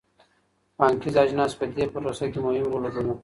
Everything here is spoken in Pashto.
پانګیز اجناس په دې پروسه کي مهم رول لوبوي.